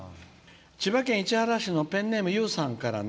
千葉県市原市のペンネーム、ゆうさん。